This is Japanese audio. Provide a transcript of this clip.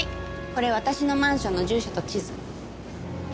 これ私のマンションの住所と地図。